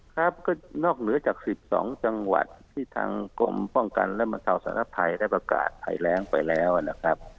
ครับก็นอกเหนือจาก๑๒จังหวัดที่ทางกรมป้องกันและบรรเทาสารภัยได้ประกาศภัยแรงไปแล้วนะครับ